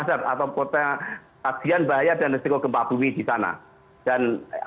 jadi kita bisa menggunakan kasihan untuk membangunan infrastruktur terdiri dari pembangunan tanpa gempa di sana